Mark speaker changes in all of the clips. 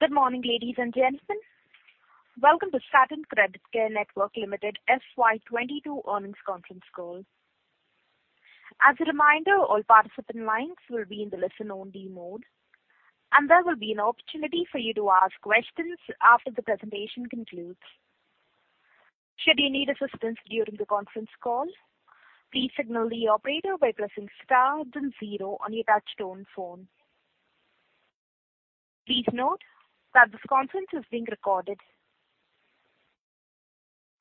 Speaker 1: Good morning, ladies and gentlemen. Welcome to Satin Creditcare Network Limited FY 2022 earnings conference call. As a reminder, all participant lines will be in the listen-only mode, and there will be an opportunity for you to ask questions after the presentation concludes. Should you need assistance during the conference call, please signal the operator by pressing star then zero on your touch tone phone. Please note that this conference is being recorded.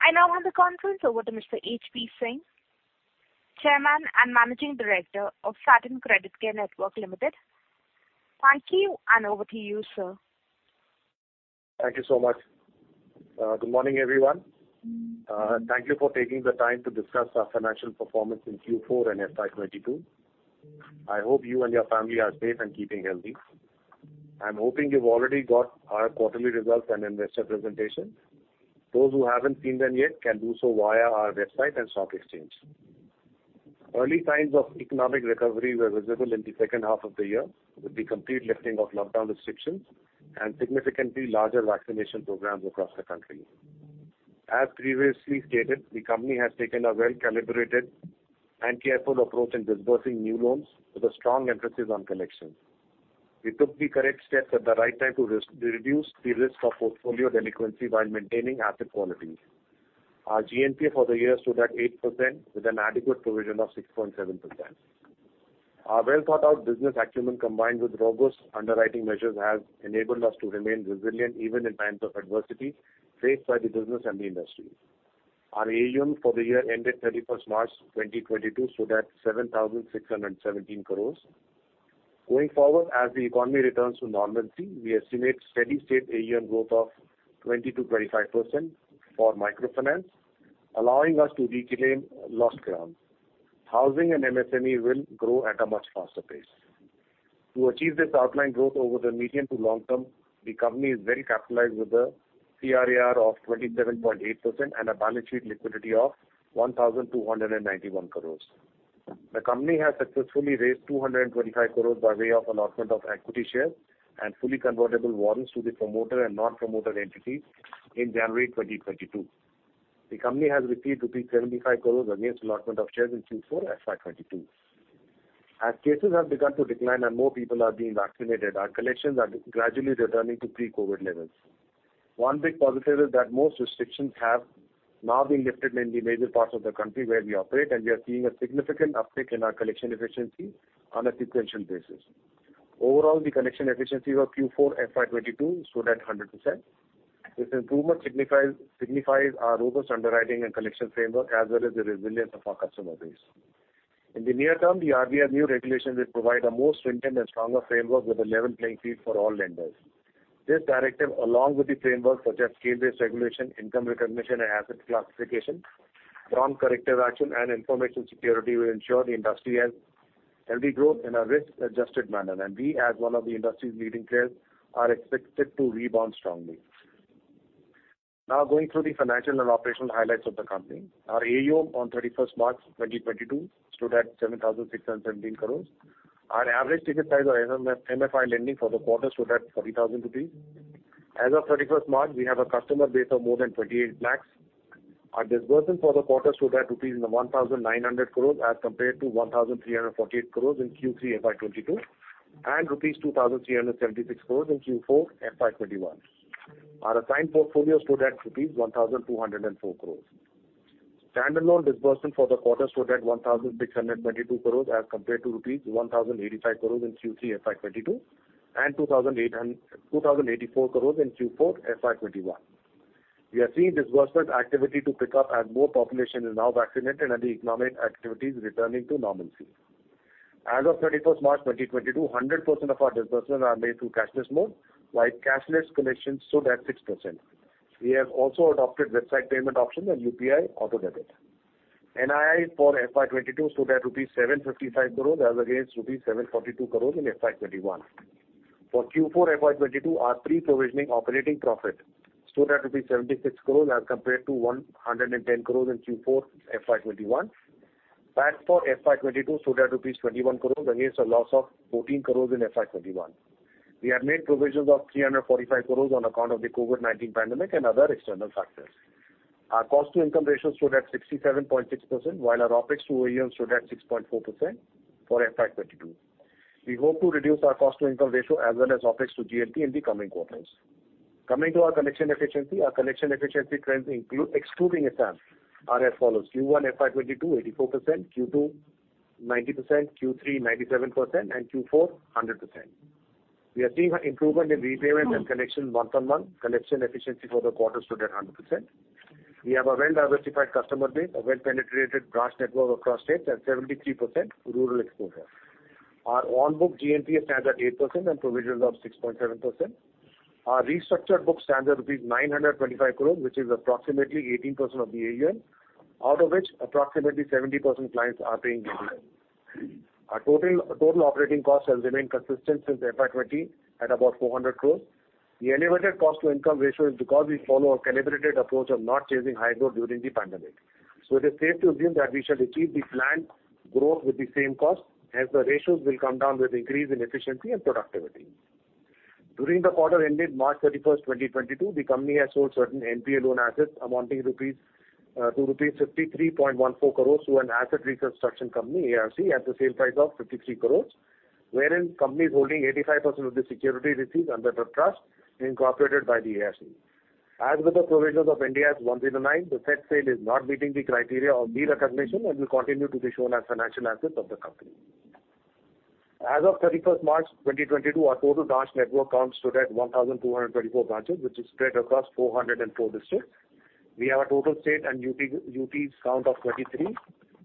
Speaker 1: I now hand the conference over to Mr. HP Singh, Chairman and Managing Director of Satin Creditcare Network Limited. Thank you, and over to you, sir.
Speaker 2: Thank you so much. Good morning, everyone. Thank you for taking the time to discuss our financial performance in Q4 and FY 2022. I hope you and your family are safe and keeping healthy. I'm hoping you've already got our quarterly results and investor presentation. Those who haven't seen them yet can do so via our website and stock exchange. Early signs of economic recovery were visible in the second half of the year with the complete lifting of lockdown restrictions and significantly larger vaccination programs across the country. As previously stated, the company has taken a well-calibrated and careful approach in disbursing new loans with a strong emphasis on collection. We took the correct steps at the right time to reduce the risk of portfolio delinquency while maintaining asset quality. Our GNPA for the year stood at 8% with an adequate provision of 6.7%. Our well-thought-out business acumen, combined with robust underwriting measures, has enabled us to remain resilient even in times of adversity faced by the business and the industry. Our AUM for the year ended 31st March 2022 stood at 7,617 crores. Going forward, as the economy returns to normalcy, we estimate steady state AUM growth of 20%-25% for microfinance, allowing us to reclaim lost ground. Housing and MSME will grow at a much faster pace. To achieve this outlined growth over the medium to long term, the company is well capitalized with a CRAR of 27.8% and a balance sheet liquidity of 1,291 crores. The company has successfully raised 225 crore by way of allotment of equity shares and fully convertible warrants to the promoter and non-promoter entities in January 2022. The company has received INR 75 crore against allotment of shares in Q4 FY 2022. Cases have begun to decline and more people are being vaccinated, our collections are gradually returning to pre-COVID levels. One big positive is that most restrictions have now been lifted in the major parts of the country where we operate, and we are seeing a significant uptick in our collection efficiency on a sequential basis. Overall, the collection efficiency for Q4 FY 2022 stood at 100%. This improvement signifies our robust underwriting and collection framework, as well as the resilience of our customer base. In the near term, the RBI's new regulations will provide a more stringent and stronger framework with a level playing field for all lenders. This directive, along with the framework such as scale-based regulation, income recognition and asset classification, strong corrective action and information security, will ensure the industry has healthy growth in a risk-adjusted manner. We, as one of the industry's leading players, are expected to rebound strongly. Now going through the financial and operational highlights of the company. Our AUM on March 31, 2022 stood at 7,617 crore. Our average ticket size of MFI lending for the quarter stood at INR 40,000. As of March 31, we have a customer base of more than 28 lakh. Our disbursement for the quarter stood at 1,900 crores as compared to rupees 1,348 crores in Q3 FY 2022 and INR 2,376 crores in Q4 FY 2021. Our assigned portfolio stood at INR 1,204 crores. Standard loan disbursement for the quarter stood at 1,622 crores as compared to rupees 1,085 crores in Q3 FY 2022 and 2,084 crores in Q4 FY 2021. We are seeing disbursement activity to pick up as more population is now vaccinated and the economic activity is returning to normalcy. As of 31 March 2022, 100% of our disbursements are made through cashless mode, while cashless collections stood at 6%. We have also adopted website payment options and UPI auto-debit. NII for FY 2022 stood at rupees 755 crore as against rupees 742 crore in FY 2021. For Q4 FY 2022, our pre-provisioning operating profit stood at rupees 76 crore as compared to 110 crore in Q4 FY 2021. PAT for FY 2022 stood at rupees 21 crore against a loss of 14 crore in FY 2021. We have made provisions of 345 crore on account of the COVID-19 pandemic and other external factors. Our cost to income ratio stood at 67.6%, while our OpEx to AUM stood at 6.4% for FY 2022. We hope to reduce our cost to income ratio as well as OpEx to GNPA in the coming quarters. Coming to our collection efficiency. Our collection efficiency trends include, excluding Assam, are as follows: Q1 FY 2022, 84%, Q2, 90%, Q3, 97%, and Q4, 100%. We are seeing improvement in repayment and collection month-on-month. Collection efficiency for the quarter stood at 100%. We have a well-diversified customer base, a well-penetrated branch network across states, and 73% rural exposure. Our on-book GNPA stands at 8% and provisions of 6.7%. Our restructured book stands at 925 crores, which is approximately 18% of the AUM, out of which approximately 70% clients are paying due dates. Our total operating costs has remained consistent since FY 2020 at about 400 crores. The elevated cost to income ratio is because we follow a calibrated approach of not chasing high growth during the pandemic. It is safe to assume that we shall achieve the planned growth with the same cost, as the ratios will come down with increase in efficiency and productivity. During the quarter ended March 31st, 2022, the company has sold certain NPA loan assets amounting to rupees 53.14 crores to an Asset Reconstruction Company, ARC, at the sale price of 53 crores, wherein companies holding 85% of the security received under the trust incorporated by the ARC. As with the provisions of Ind AS 109, the said sale is not meeting the criteria of de-recognition and will continue to be shown as financial assets of the company. As of March 31st, 2022, our total branch network count stood at 1,224 branches, which is spread across 404 districts. We have a total state and UT, UTs count of 23,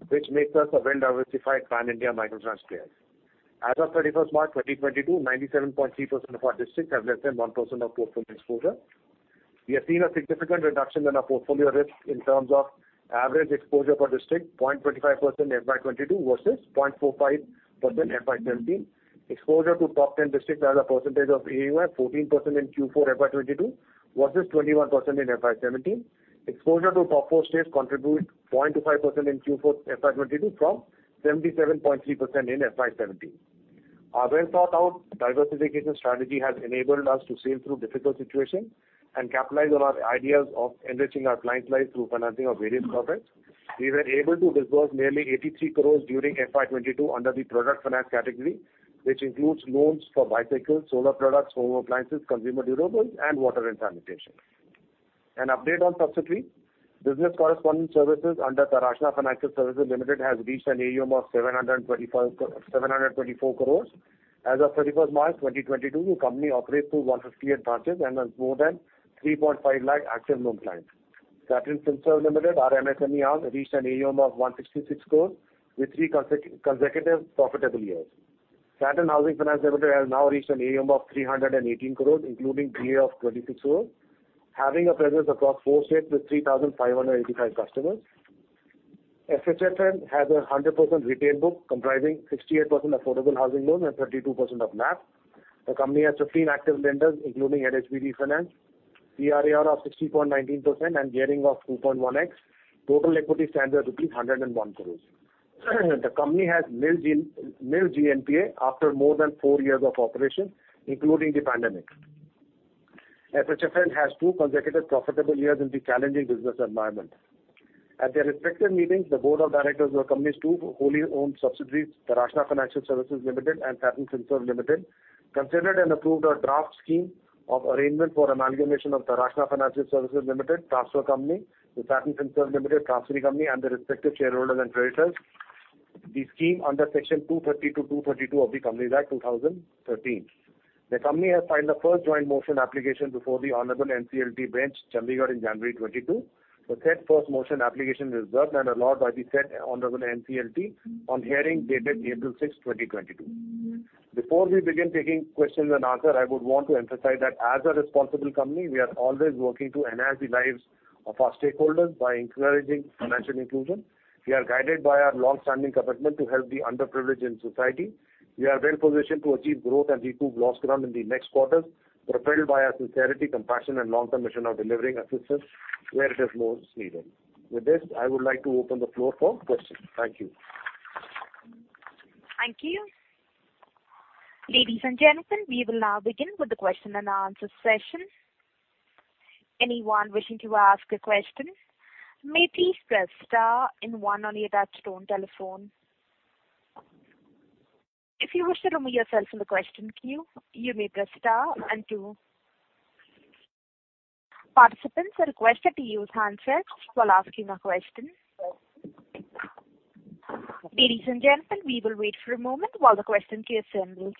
Speaker 2: which makes us a well-diversified pan-India microfinance player. As of March 31, 2022, 97.3% of our districts have less than 1% of portfolio exposure. We have seen a significant reduction in our portfolio risk in terms of average exposure per district, 0.25% FY 2022 versus 0.45% FY 2017. Exposure to top 10 districts as a percentage of AUM, 14% in Q4 FY 2022 versus 21% in FY 2017. Exposure to top four states contribute 0.25% in Q4 FY 2022 from 77.3% in FY 2017. Our well-thought-out diversification strategy has enabled us to sail through difficult situations and capitalize on our ideas of enriching our clients' lives through financing of various products. We were able to disburse nearly 83 crore during FY 2022 under the product finance category, which includes loans for bicycles, solar products, home appliances, consumer durables, and water and sanitation. An update on subsidiary. Business correspondence services under Taraashna Financial Services Limited has reached an AUM of 724 crore. As of March 31, 2022, the company operates through 158 branches and has more than 3.5 lakh active loan clients. Satin Finserv Limited, our MSME arm, reached an AUM of 166 crore with three consecutive profitable years. Satin Housing Finance Limited has now reached an AUM of 318 crore, including GA of 26 crore, having a presence across four states with 3,585 customers. SHFL has a 100% retail book comprising 68% affordable housing loans and 32% of NPA. The company has 15 active lenders, including NHB, PAR of 60.19% and gearing of 2.1x. Total equity stands at rupees 101 crores. The company has nil G, nil GNPA after more than four years of operation, including the pandemic. SHFL has two consecutive profitable years in the challenging business environment. At their respective meetings, the board of directors of the company's two wholly owned subsidiaries, Taraashna Financial Services Limited and Satin Finserv Limited, considered and approved a draft scheme of arrangement for amalgamation of Taraashna Financial Services Limited, transferor company, the Satin Finserv Limited, transferee company, and the respective shareholders and creditors. The scheme under Section 230-232 of the Companies Act, 2013. The company has filed the first joint motion application before the Honorable NCLT bench, Chandigarh, in January 2022. The said first motion application reserved and allowed by the said Honorable NCLT on hearing dated April 6, 2022. Before we begin taking questions and answers, I would want to emphasize that as a responsible company, we are always working to enhance the lives of our stakeholders by encouraging financial inclusion. We are guided by our long-standing commitment to help the underprivileged in society. We are well-positioned to achieve growth and recoup lost ground in the next quarters, propelled by our sincerity, compassion and long-term mission of delivering assistance where it is most needed. With this, I would like to open the floor for questions. Thank you.
Speaker 1: Thank you. Ladies and gentlemen, we will now begin with the question and answer session. Anyone wishing to ask a question may please press star and one on your touchtone telephone. If you wish to remove yourself from the question queue, you may press star and two. Participants are requested to use handsets while asking a question. Ladies and gentlemen, we will wait for a moment while the question queue assembles.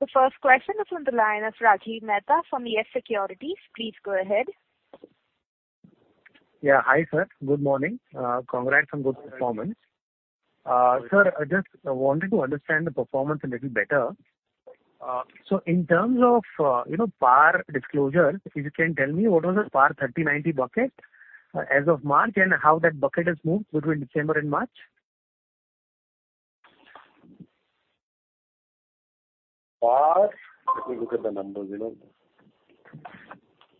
Speaker 1: The first question on the line is Rajiv Mehta from YES SECURITIES. Please go ahead.
Speaker 3: Yeah. Hi, sir. Good morning. Congrats on good performance. Sir, I just wanted to understand the performance a little better. So in terms of, you know, PAR disclosure, if you can tell me what was the PAR 30/90 bucket as of March, and how that bucket has moved between December and March?
Speaker 2: PAR, let me look at the numbers, you know.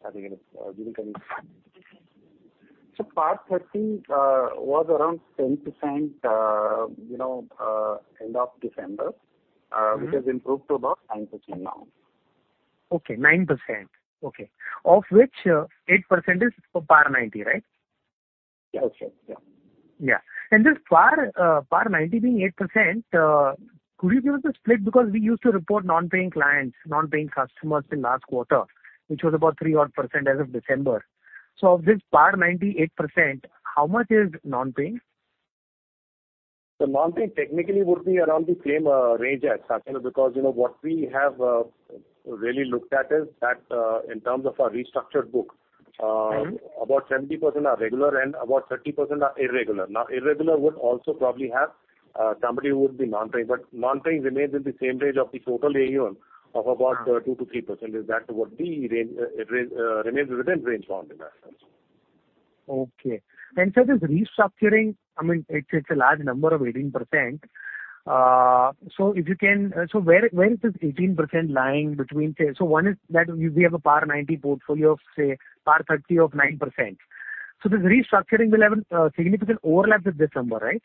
Speaker 2: I think it's,
Speaker 4: PAR 30 was around 10%, you know, end of December, which has improved to about 9% now.
Speaker 3: Okay, 9%. Okay. Of which, 8% is PAR 90, right?
Speaker 4: Yes, yes. Yeah.
Speaker 3: And this PAR 90 being 8%, could you give us a split? Because we used to report non-paying clients, non-paying customers in last quarter, which was about 3 odd percent as of December. Of this PAR 90, 8%, how much is non-paying?
Speaker 2: The non-paying technically would be around the same range as such, because you know what we have really looked at is that in terms of our restructured book.
Speaker 3: Mm-hmm.
Speaker 2: About 70% are regular and about 30% are irregular. Now, irregular would also probably have somebody who would be non-paying, but non-paying remains in the same range of the total AUM of about 2%-3%. Is that what the range remains within range for him, absolutely.
Speaker 3: This restructuring, I mean, it's a large number of 18%. Where is this 18% lying between, say? One is that we have a PAR 90 portfolio of, say, PAR 30 of 9%. This restructuring will have a significant overlap with this number, right?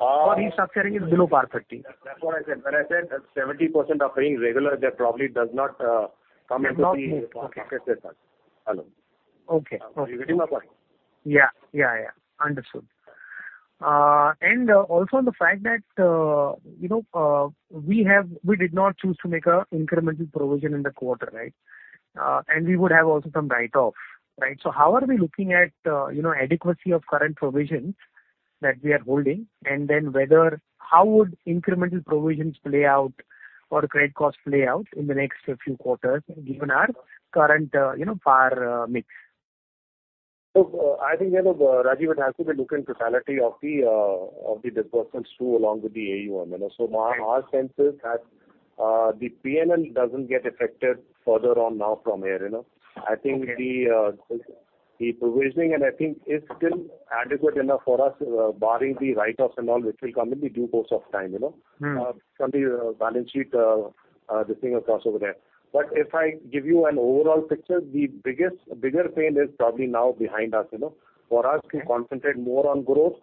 Speaker 2: Uh.
Speaker 3: Restructuring is below PAR 30.
Speaker 2: That's what I said. When I said that 70% are paying regular, that probably does not come into the-
Speaker 3: Okay.
Speaker 2: Hello.
Speaker 3: Okay. Okay.
Speaker 2: You get my point?
Speaker 3: Yeah. Understood. Also on the fact that, you know, we did not choose to make an incremental provision in the quarter, right? We would have also some write-off, right? How are we looking at, you know, adequacy of current provisions that we are holding, and then whether how would incremental provisions play out or credit costs play out in the next few quarters given our current, you know, PAR, mix?
Speaker 2: I think, you know, Rajiv, it has to be looked in totality of the disbursements too, along with the AUM, you know.
Speaker 3: Right.
Speaker 2: Our sense is that the P&L doesn't get affected further on now from here, you know.
Speaker 3: Okay.
Speaker 2: I think the provisioning and I think is still adequate enough for us, barring the write-offs and all, which will come in the due course of time, you know.
Speaker 3: Mm-hmm.
Speaker 2: From the balance sheet, this thing across over there. If I give you an overall picture, the biggest pain is probably now behind us, you know, for us to concentrate more on growth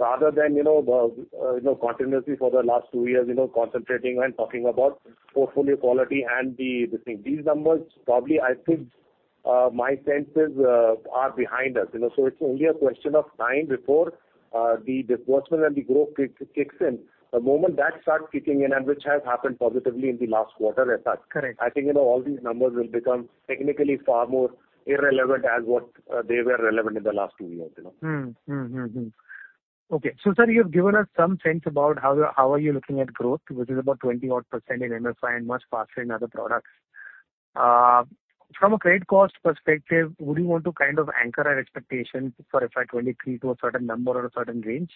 Speaker 2: rather than, you know, the, you know, continuously for the last two years, you know, concentrating and talking about portfolio quality and the, this thing. These numbers probably I think, my sense is, are behind us, you know. It's only a question of time before the disbursement and the growth kicks in. The moment that starts kicking in and which has happened positively in the last quarter as such.
Speaker 3: Correct.
Speaker 2: I think, you know, all these numbers will become technically far more irrelevant as what they were relevant in the last two years, you know.
Speaker 3: Okay. Sir, you've given us some sense about how you are looking at growth, which is about 20-odd percent in MFI and much faster in other products. From a credit cost perspective, would you want to kind of anchor our expectation for FY 2023 to a certain number or a certain range?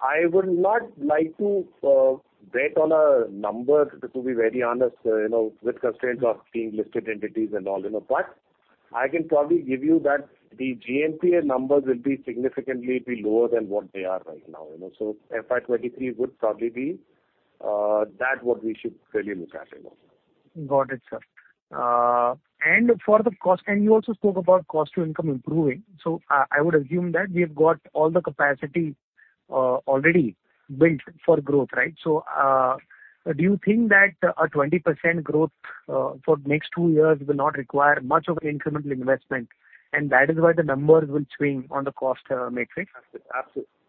Speaker 2: I would not like to bet on a number, to be very honest, you know, with constraints of being listed entities and all, you know. I can probably give you that the GNPA numbers will be significantly lower than what they are right now, you know. FY 2023 would probably be that what we should really look at, you know.
Speaker 3: Got it, sir. You also spoke about cost to income improving. I would assume that we have got all the capacity already built for growth, right? Do you think that a 20% growth for next two years will not require much of an incremental investment, and that is why the numbers will swing on the cost matrix?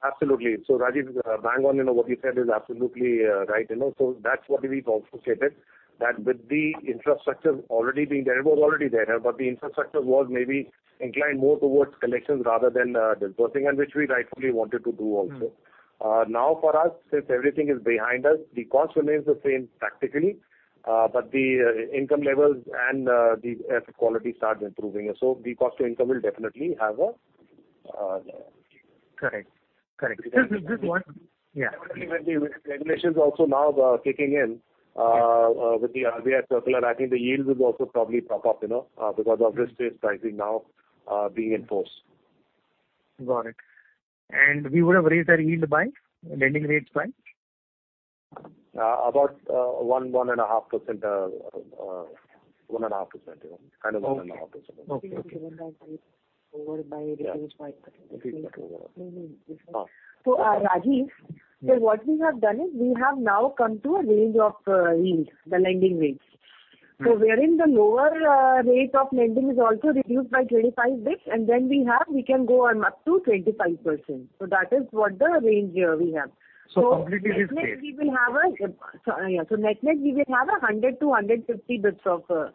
Speaker 2: Absolutely. Rajiv, bang on, you know, what you said is absolutely right, you know, that's what we've also stated, that with the infrastructure already being there, it was already there, but the infrastructure was maybe inclined more towards collections rather than dispersing and which we rightfully wanted to do also.
Speaker 3: Mm-hmm.
Speaker 2: Now for us, since everything is behind us, the cost remains the same tactically, but the income levels and the asset quality starts improving. The cost to income will definitely have a
Speaker 3: Correct. Just one-
Speaker 2: Definitely with the regulations also now kicking in with the RBI circular, I think the yields will also probably pop up, you know, because of risk-based pricing now being enforced.
Speaker 3: Got it. We would have raised our yield by, lending rates by?
Speaker 2: About 1.5%, you know.
Speaker 3: Okay.
Speaker 2: Kind of 1.5%.
Speaker 3: Okay.
Speaker 5: Given that rate over by a percentage point.
Speaker 2: Yeah.
Speaker 5: Maybe different.
Speaker 2: Uh.
Speaker 5: Rajiv, so what we have done is we have now come to a range of yield, the lending rates.
Speaker 2: Mm-hmm.
Speaker 5: wherein the lower rate of lending is also reduced by 25 bps, and then we have, we can go on up to 25%. That is what the range here we have.
Speaker 2: Completely risk-based.
Speaker 5: Net-net we will have 100-150 bps of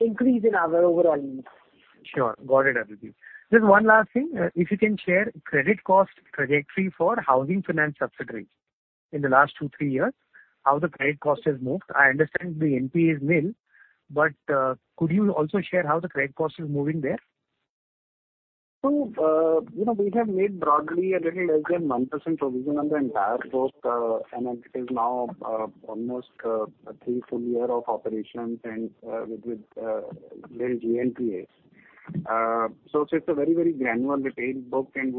Speaker 5: increase in our overall yield.
Speaker 3: Sure. Got it, Aditi. Just one last thing. If you can share credit cost trajectory for housing finance subsidiary in the last two, three years, how the credit cost has moved. I understand the NPA is nil, but could you also share how the credit cost is moving there?
Speaker 4: You know, we have made broadly a little less than 1% provision on the entire book, and it is now almost three full years of operations and with the GNPA. So, it's a very, very granular retail book and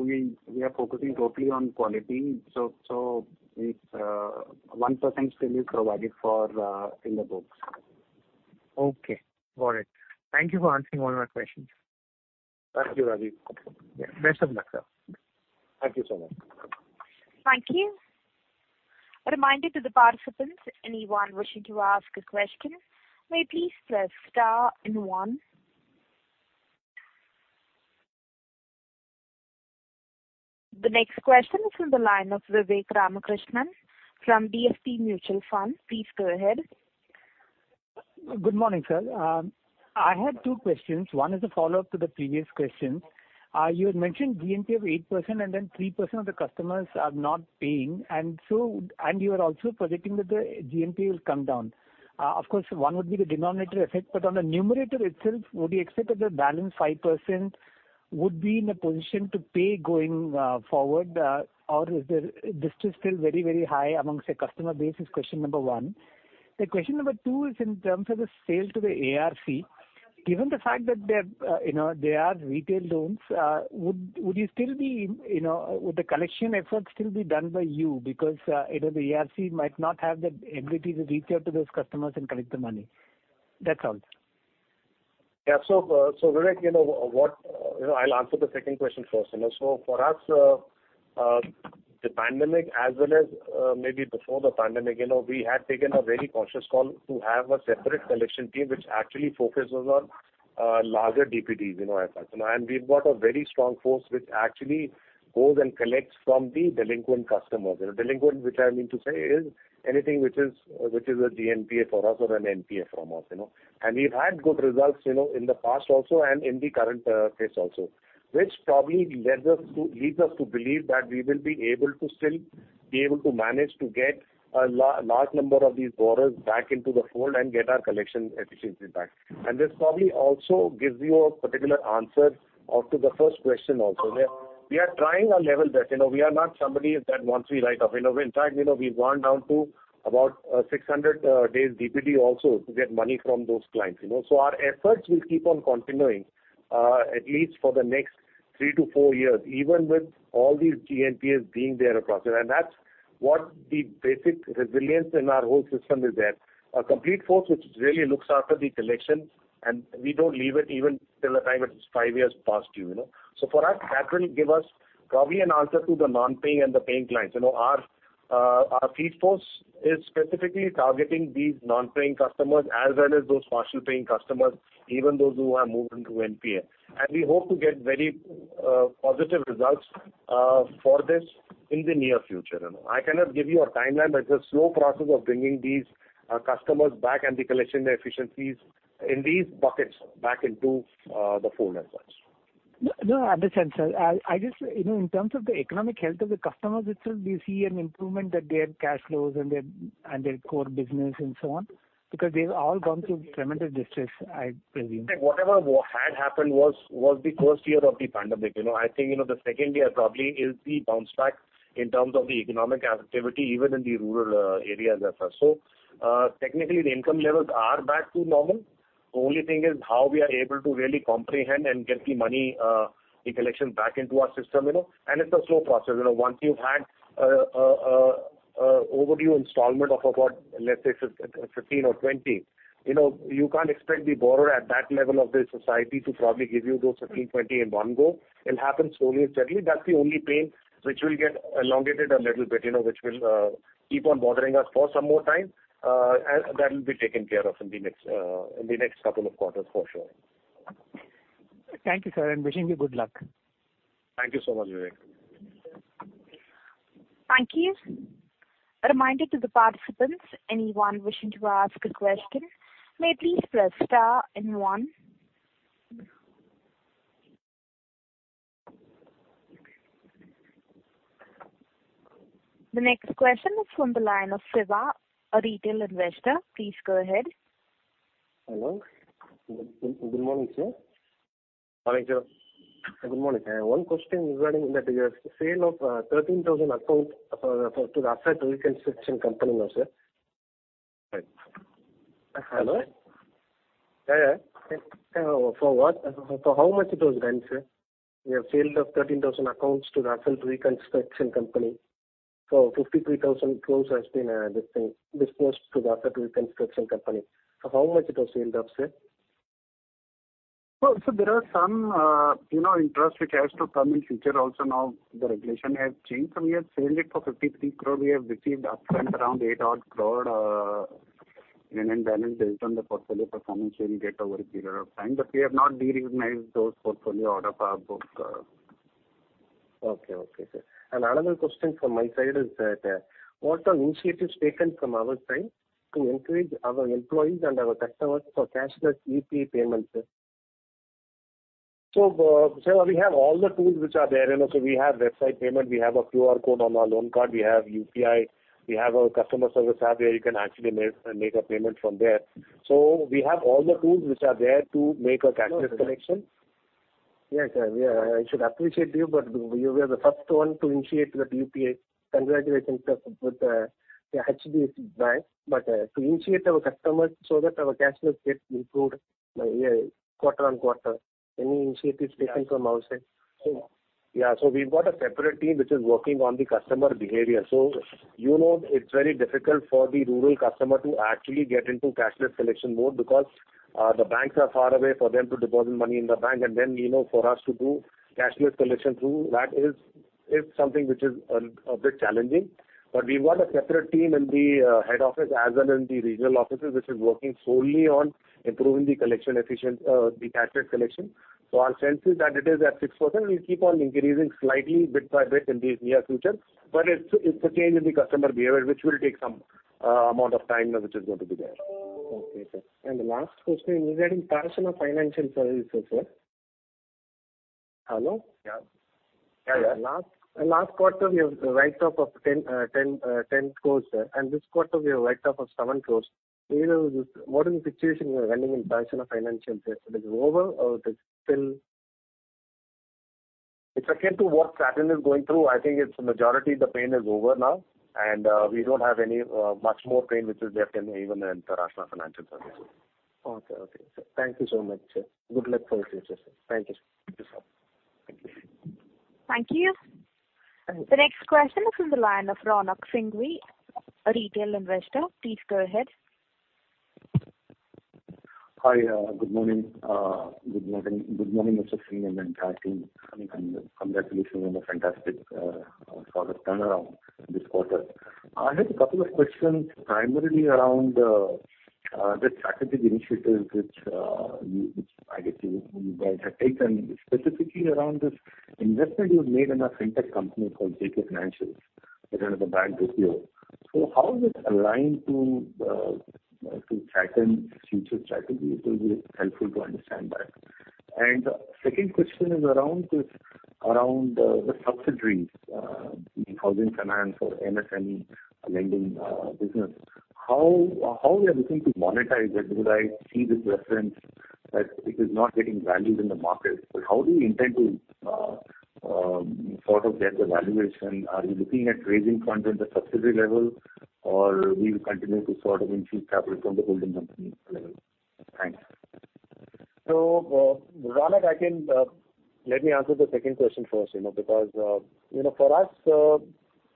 Speaker 4: we are focusing totally on quality. So, 1% still is provided for in the books.
Speaker 3: Okay. Got it. Thank you for answering all my questions.
Speaker 2: Thank you, Rajiv.
Speaker 3: Yeah. Best of luck, sir.
Speaker 2: Thank you so much.
Speaker 1: Thank you. A reminder to the participants, anyone wishing to ask a question, may please press star and one. The next question is from the line of Vivek Ramakrishnan from DSP Mutual Fund. Please go ahead.
Speaker 6: Good morning, sir. I had two questions. One is a follow-up to the previous questions. You had mentioned GNPA of 8% and then 3% of the customers are not paying and so, and you are also projecting that the GNPA will come down. Of course, one would be the denominator effect, but on the numerator itself, would you expect that the balance 5% would be in a position to pay going forward? Or is this still very, very high amongst your customer base? That's question number one. The question number two is in terms of the sale to the ARC. Given the fact that they're, you know, they are retail loans, would the collection efforts still be done by you because, you know, the ARC might not have the ability to reach out to those customers and collect the money? That's all, sir.
Speaker 2: Yeah. Vivek, you know, I'll answer the second question first. You know, for us, the pandemic as well as maybe before the pandemic, you know, we had taken a very conscious call to have a separate collection team which actually focuses on larger DPDs, you know, efforts. We've got a very strong force which actually goes and collects from the delinquent customers. You know, delinquent, which I mean to say is anything which is a GNPA for us or an NPA from us, you know. We've had good results, you know, in the past also and in the current case also, which probably leads us to believe that we will be able to manage to get a large number of these borrowers back into the fold and get our collection efficiency back. This probably also gives you a particular answer or to the first question also. We are trying our level best. You know, we are not somebody that wants to write off. You know, in fact, you know, we've gone down to about 600 days DPD also to get money from those clients, you know. Our efforts will keep on continuing, at least for the next three to four years, even with all these GNPAs being there across. That's what the basic resilience in our whole system is there. A complete force which really looks after the collection, and we don't leave it even till the time it is five years past due, you know. For us, that will give us probably an answer to the non-paying and the paying clients. You know, our field force is specifically targeting these non-paying customers as well as those partial paying customers, even those who have moved into NPA. We hope to get very positive results for this in the near future, you know. I cannot give you a timeline, but it's a slow process of bringing these customers back and the collection efficiencies in these buckets back into the fold as such.
Speaker 6: No, I understand, sir. I just, you know, in terms of the economic health of the customers itself, do you see an improvement that their cash flows and their core business and so on? Because they've all gone through tremendous distress, I presume.
Speaker 2: Like, whatever had happened was the first year of the pandemic. You know, I think, you know, the second year probably is the bounce back in terms of the economic activity, even in the rural, areas as such. Technically the income levels are back to normal. Only thing is how we are able to really comprehend and get the money, the collection back into our system, you know, and it's a slow process. You know, once you've had a overdue installment of about, let's say, 15 or 20, you know, you can't expect the borrower at that level of the society to probably give you those 15, 20 in one go. It'll happen slowly and steadily. That's the only pain which will get elongated a little bit, you know, which will keep on bothering us for some more time. That will be taken care of in the next couple of quarters for sure.
Speaker 6: Thank you, sir, and wishing you good luck.
Speaker 2: Thank you so much, Vivek.
Speaker 1: Thank you. A reminder to the participants, anyone wishing to ask a question may please press star and one. The next question is from the line of Siva, a retail investor. Please go ahead.
Speaker 7: Hello. Good morning, sir.
Speaker 2: Morning, sir.
Speaker 7: Good morning. One question regarding your sale of 13,000 accounts to Asset Reconstruction Company now, sir. Hello?
Speaker 2: Yeah, yeah.
Speaker 7: For what, for how much it was done, sir? Your sale of 13,000 accounts to Asset Reconstruction Company. So, 53,000 crores has been dispensed, disposed to Asset Reconstruction Company. How much it was sold off, sir?
Speaker 2: Well, sir, there are some, you know, interest which has to come in future also. Now the regulation has changed. We have changed it for 53 crore. We have received upfront around 8 odd crore in balance based on the portfolio performance during date over a period of time. We have not derecognized those portfolio out of our book.
Speaker 7: Okay. Okay, sir. Another question from my side is that, what are initiatives taken from our side to encourage our employees and our customers for cashless UPI payments, sir?
Speaker 2: Siva, we have all the tools which are there, you know. We have website payment, we have a QR code on our loan card, we have UPI, we have a customer service app where you can actually make a payment from there. We have all the tools which are there to make a cashless collection.
Speaker 7: Yes, sir. I should appreciate you, but you were the first one to initiate the UPI. Congratulations, sir, with HDFC Bank. To initiate our customers so that our cashless gets improved year quarter-on-quarter. Any initiatives taken from our side?
Speaker 2: Yeah. We've got a separate team which is working on the customer behavior. You know, it's very difficult for the rural customer to actually get into cashless collection mode because the banks are far away for them to deposit money in the bank and then, you know, for us to do cashless collection through that is something which is a bit challenging. But we've got a separate team in the head office as well as in the regional offices which is working solely on improving the cashless collection. Our sense is that it is at 6%. We'll keep on increasing slightly bit by bit in the near future, but it's a change in the customer behavior, which will take some amount of time, which is going to be there.
Speaker 7: Okay, sir. The last question regarding Taraashna Financial Services, sir. Hello?
Speaker 2: Yeah.
Speaker 7: Yeah, yeah. Last quarter we have write off of 10 crore, sir. This quarter we have write off of 7 crore. You know, what is the situation you are running in Taraashna Financial Services? It is over or it is still?
Speaker 2: It's akin to what Satin is going through. I think it's majority of the pain is over now, and we don't have any much more pain which is there and even in Taraashna Financial Services.
Speaker 5: Okay. Thank you so much. Good luck for the future, sir. Thank you.
Speaker 2: Thank you, sir.
Speaker 5: Thank you.
Speaker 1: Thank you. The next question is from the line of Ronak Singhvi, a retail investor. Please go ahead.
Speaker 8: Hi. Good morning. Good morning, Mr. Singh, and the entire team, and congratulations on a fantastic sort of turnaround this quarter. I have a couple of questions primarily around the strategic initiatives which I guess you guys have taken, specifically around this investment you've made in a fintech company called Jay Kay Financials, which is under the brand Rupyo. How is it aligned to Satin's future strategy? It will be helpful to understand that. Second question is around the subsidiaries, the housing finance or MSME lending business. How are we looking to monetize it? Because I see this reference that it is not getting valued in the market. How do you intend to sort of get the valuation? Are you looking at raising funds at the subsidiary level, or will you continue to sort of infuse capital from the holding company level? Thanks.
Speaker 2: Ronak, let me answer the second question first, you know, because, you know, for us,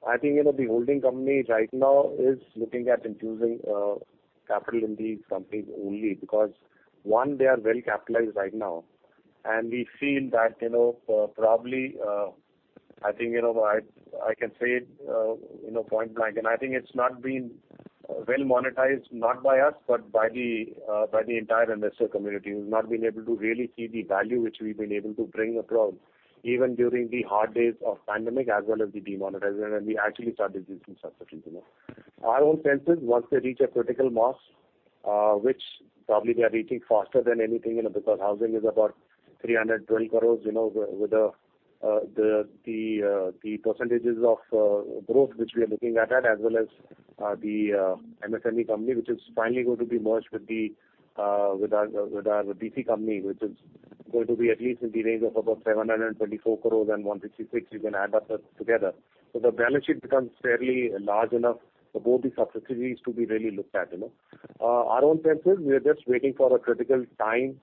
Speaker 2: I think, you know, the holding company right now is looking at infusing capital in these companies only because, one, they are well capitalized right now, and we feel that, you know, probably, I think, you know, I can say it point blank, and I think it's not been well monetized, not by us, but by the entire investor community, who's not been able to really see the value which we've been able to bring across, even during the hard days of pandemic as well as the demonetization, and we actually started this in subsidiaries, you know. Our own sense is once they reach a critical mass, which probably they are reaching faster than anything, you know, because housing is about 320 crore, you know, with the percentages of growth which we are looking at as well as the MSME company, which is finally going to be merged with our BC company, which is going to be at least in the range of about 724 crore and 156 crore, you can add up together. The balance sheet becomes fairly large enough for both the subsidiaries to be really looked at, you know. Our own sense is we are just waiting for a critical time,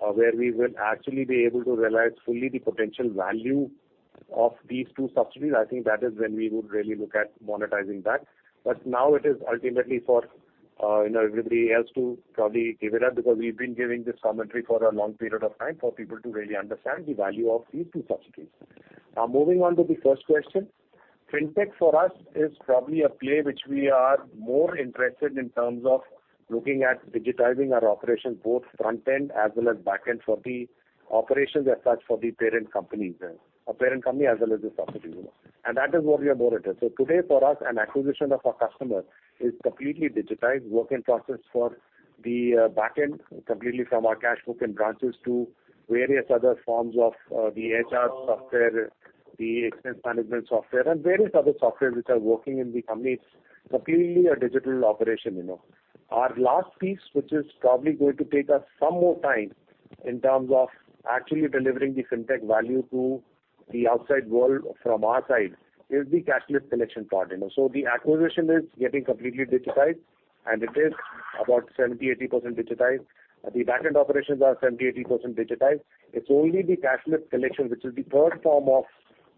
Speaker 2: where we will actually be able to realize fully the potential value of these two subsidiaries. I think that is when we would really look at monetizing that. But now it is ultimately for, you know, everybody else to probably give it up, because we've been giving this commentary for a long period of time for people to really understand the value of these two subsidiaries. Now, moving on to the first question. Fintech for us is probably a play which we are more interested in terms of looking at digitizing our operations, both front end as well as back end for the operations as such for the parent companies, parent company as well as the subsidiary, you know. That is what we are more interested. Today for us, an acquisition of a customer is completely digitized. Work in process for the back end completely from our cash book and branches to various other forms of the HR software, the expense management software and various other software which are working in the company. It's completely a digital operation, you know. Our last piece, which is probably going to take us some more time in terms of actually delivering the fintech value to the outside world from our side is the cashless collection part, you know. The acquisition is getting completely digitized, and it is about 70-80% digitized. The back end operations are 70-80% digitized. It's only the cashless collection, which is the third form of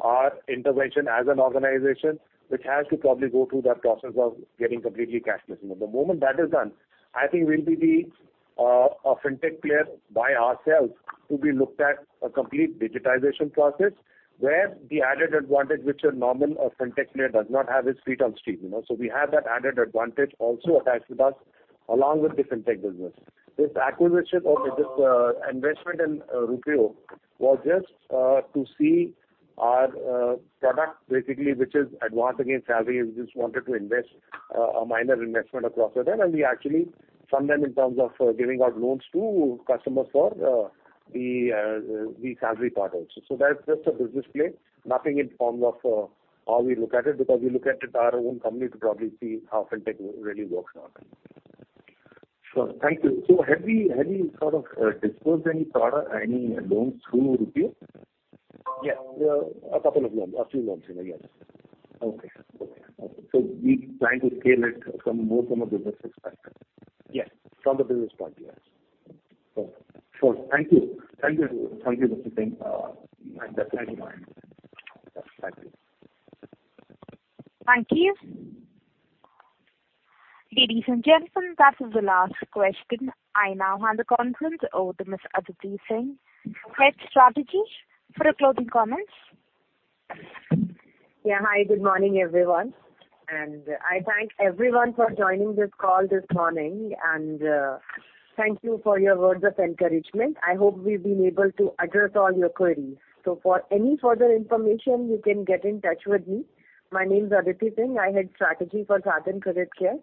Speaker 2: our intervention as an organization, which has to probably go through that process of getting completely cashless, you know. The moment that is done, I think we'll be a fintech player by ourselves to be looked at as a complete digitization process where the added advantage which a normal or fintech player does not have is feet on the street, you know. We have that added advantage also attached with us along with the fintech business. This investment in Rupyo was just to see our product basically, which is advance against salary. We just wanted to invest a minor investment across it. We actually fund them in terms of giving out loans to customers for the salary part also. That's just a business play, nothing in terms of how we look at it, because we look at it our own company to probably see how fintech really works out.
Speaker 8: Sure. Thank you. Have you sort of disposed any product, any loans through Rupyo?
Speaker 2: Yes. A couple of loans. A few loans, you know, yes.
Speaker 8: Okay. You're trying to scale it more from a business perspective?
Speaker 2: Yes. From the business point of view. Yes.
Speaker 8: Sure. Thank you, Mr. Singh. And thank you.
Speaker 1: Thank you. Ladies and gentlemen, that is the last question. I now hand the conference over to Ms. Aditi Singh, Head Strategy, for closing comments.
Speaker 5: Yeah. Hi. Good morning, everyone. I thank everyone for joining this call this morning. Thank you for your words of encouragement. I hope we've been able to address all your queries. For any further information, you can get in touch with me. My name is Aditi Singh. I'm Head Strategy for Satin Creditcare.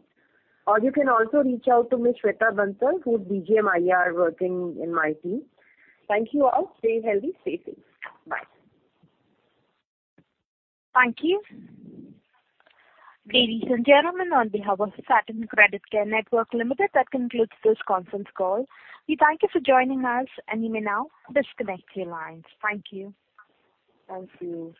Speaker 5: You can also reach out to Ms. Shweta Bansal, who's DGM IR working in my team. Thank you all. Stay healthy. Stay safe. Bye.
Speaker 1: Thank you. Ladies and gentlemen, on behalf of Satin Creditcare Network Limited, that concludes this conference call. We thank you for joining us, and you may now disconnect your lines. Thank you.
Speaker 5: Thank you.